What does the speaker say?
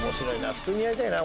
普通にやりたいな！